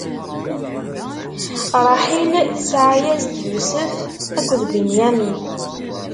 Ṛaḥil tesɛa-yas-d: Yusef akked Binyamin.